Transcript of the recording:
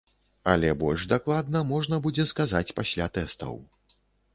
Але больш дакладна можна будзе сказаць пасля тэстаў.